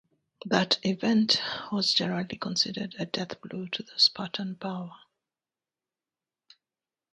That event was generally considered a deathblow to the Spartan power.